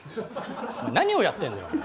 何をやってんだよ。